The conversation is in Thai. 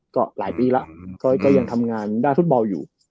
ก็หลายปีแล้วก็ยังทำงานด้านฟุตบอลอยู่